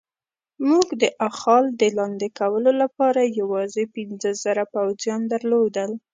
موږ د اخال د لاندې کولو لپاره یوازې پنځه زره پوځیان درلودل.